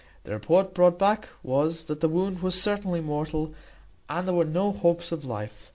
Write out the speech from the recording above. The report brought back was, that the wound was certainly mortal, and there were no hopes of life.